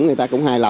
người ta cũng hay